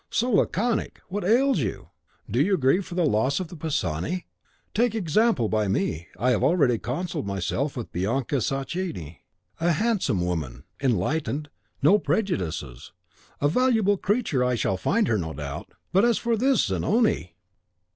"So laconic! what ails you? Do you grieve for the loss of the Pisani? Take example by me. I have already consoled myself with Bianca Sacchini, a handsome woman, enlightened, no prejudices. A valuable creature I shall find her, no doubt. But as for this Zanoni!"